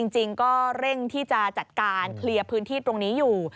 จริงก็เร่งที่จะจัดการเคลียร์พื้นที่ตรงนี้อยู่